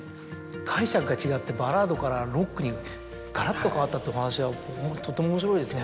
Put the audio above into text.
解釈が違ってバラードからロックにガラっと変わったってお話はとても面白いですね